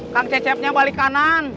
kang cecepnya balik kanan